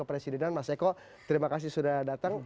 presidenan mas eko terima kasih sudah datang